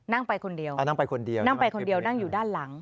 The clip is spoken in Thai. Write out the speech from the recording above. นั่งไปคนเดียวนั่งไปคนเดียวนั่งอยู่ด้านหลัง